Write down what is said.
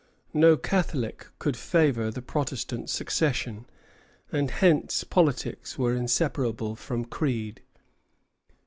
No Catholic could favor the Protestant succession, and hence politics were inseparable from creed.